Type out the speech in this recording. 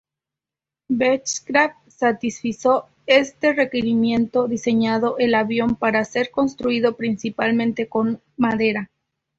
Beechcraft satisfizo este requerimiento diseñando el avión para ser construido principalmente con madera.